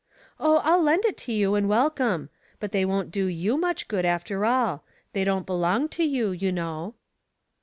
" Oh, I'll lend it to you and welcome ; but they won't do you much good, after all. They don't belong to you, you know."